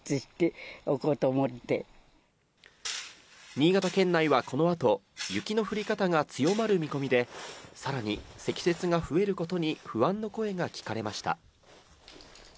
新潟県内はこの後、雪の降り方が強まる見込みで、さらに積雪が増えることに不安の声が聞かれました。